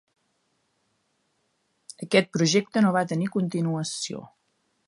Aquest projecte no va tenir continuació.